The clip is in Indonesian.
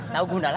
tau gundala gak